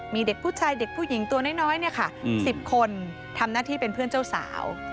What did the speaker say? มีเด็กผู้ชายเด็กผู้หญิงตัวน้อย๑๐คนทำหน้าที่เป็นเพื่อนเจ้าสาว